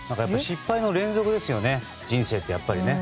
失敗の連続ですよね人生って。